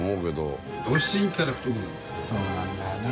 そうなんだよな。